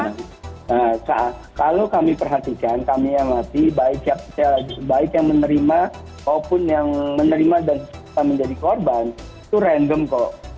nah kalau kami perhatikan kami amati baik yang menerima maupun yang menerima dan menjadi korban itu random kok